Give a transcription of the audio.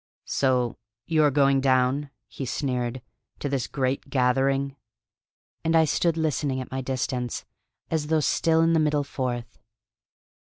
"So you are going down," he sneered, "to this great gathering?" And I stood listening at my distance, as though still in the middle fourth.